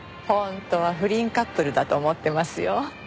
本当は不倫カップルだと思ってますよ。